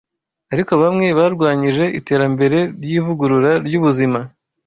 Ariko bamwe barwanyije iterambere ry’ivugurura ry’ubuzima